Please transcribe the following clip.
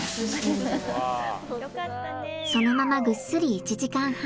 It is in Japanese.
そのままぐっすり１時間半。